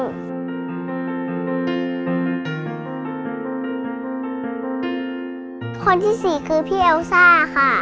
ขี้ที่๔คือขี้เอลซ่าที่อื่นค่ะ